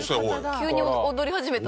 急に踊り始めた。